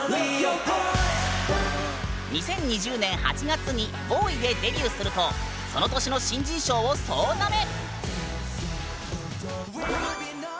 ２０２０年８月に「ＢＯＹ」でデビューするとその年の新人賞を総なめ！